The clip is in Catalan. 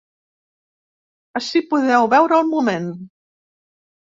Ací podeu veure el moment.